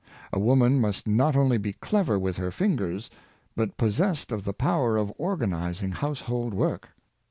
A woman must not only be clever with her fingers, but possessed of the power of organizing household work.